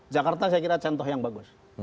jakarta saya kira contoh yang bagus